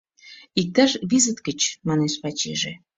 — Иктаж визыт гыч, — манеш Вачийже.